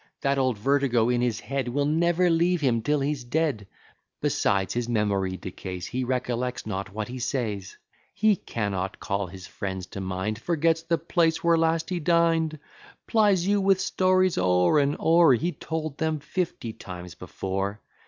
That old vertigo in his head Will never leave him till he's dead. Besides, his memory decays: He recollects not what he says; He cannot call his friends to mind: Forgets the place where last he din'd; Plyes you with stories o'er and o'er; He told them fifty times before.